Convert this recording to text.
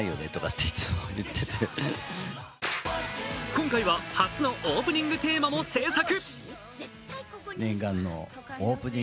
今回は初のオープニングテーマも制作。